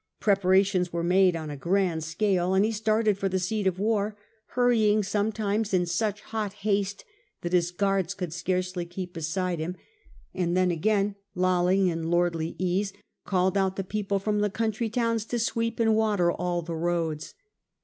Pre Germany, parations were made on a grand scale, and he started for the seat of war, hurrying sometimes in such hot haste that his guards could scarcely keep beside him, and then again, lolling in lordly ease, called out the people from the country towns to sweep and water all the roads.